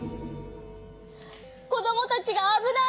こどもたちがあぶない！